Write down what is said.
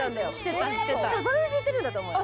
５それを知ってるんだと思うよ